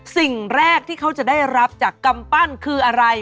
สิ่งแรกที่เขาจะได้รับจากกำปั้นคืออะไร